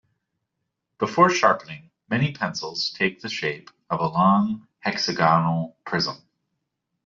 Before sharpening, many pencils take the shape of a long hexagonal prism.